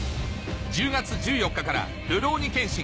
１０月１４日から『るろうに剣心』